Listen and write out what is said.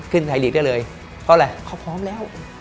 ขึ้นไทยฤทธิ์ได้เลยเพราะอะไรเขาพร้อมแล้ว